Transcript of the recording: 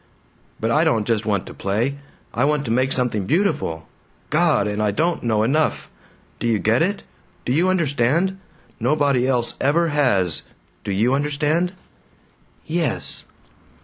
"But I don't just want to play. I want to make something beautiful. God! And I don't know enough. Do you get it? Do you understand? Nobody else ever has! Do you understand?" "Yes."